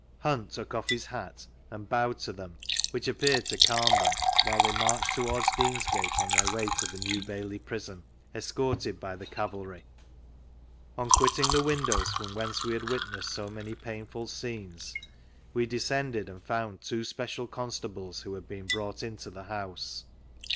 Hunt took off bis hat and bowed to them, which appeared to calm them while they marched towards Deansgate cm their way to the New Bailey prison, escorted by the cavalry. On quitting the windows from whence we had witnessed so many painful scenes, w^ descended and found two special constables who had been brought into the house.